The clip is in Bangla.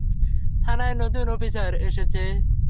থানায় নতুন অফিসার এসেছে।